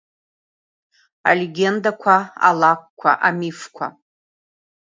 Алегьендақәа, алакәқәа, амифқәа…